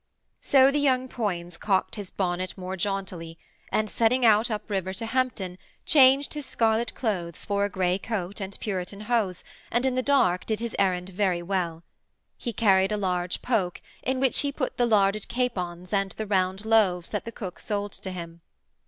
So the young Poins cocked his bonnet more jauntily, and, setting out up river to Hampton, changed his scarlet clothes for a grey coat and puritan hose, and in the dark did his errand very well. He carried a large poke in which he put the larded capons and the round loaves that the cook sold to him.